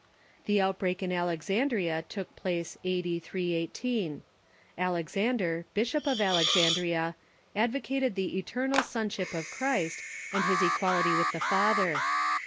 The outbreak in Alexandria took place A.r>. 318. Alexander, Bisliop of Alexandria, advocated the eternal Sonship of Christ, and his equalit}'' with the Father.